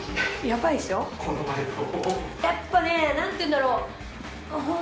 やっぱねなんていうんだろう。